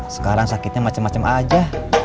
sekarang sakitnya macem macem aja